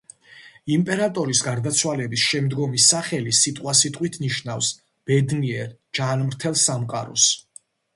იმპერატორის გარდაცვალების შემდგომი სახელი სიტყვასიტყვით ნიშნავს „ბედნიერ ჯანმრთელ სამყაროს“.